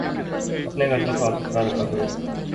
اپنے گھر کو صاف ستھرا رکھا کرو